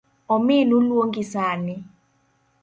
Ominu luongi sani.